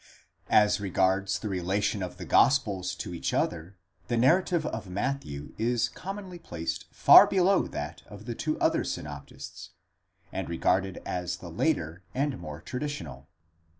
As regards the relation of the gospels to each other, the narrative of Matthew is commonly placed far below that of the two other synoptists, and regarded as the later and more traditional.